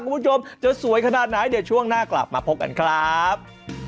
คุณผู้ชมจะสวยขนาดไหนเดี๋ยวช่วงหน้ากลับมาพบกันครับ